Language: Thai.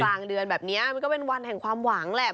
กลางเดือนแบบนี้มันก็เป็นวันแห่งความหวังแหละ